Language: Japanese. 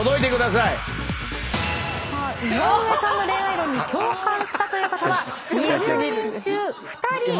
さあ井上さんの恋愛論に共感したという方は２０人中２人でした。